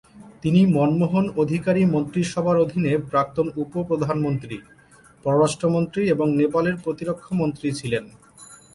তিনি মনমোহন অধিকারী মন্ত্রিসভার অধীনে প্রাক্তন উপ প্রধানমন্ত্রী, পররাষ্ট্রমন্ত্রী এবং নেপালের প্রতিরক্ষা মন্ত্রী ছিলেন।